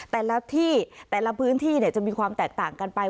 แต่ละที่แต่ละพื้นที่จะมีความแตกต่างกันไป